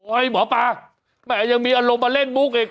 หมอปลาแม่ยังมีอารมณ์มาเล่นมุกอีก